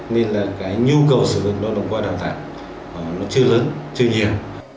nên là cái nhu cầu sử dụng nó đồng quan đào tạo nó chưa lớn chưa nhiều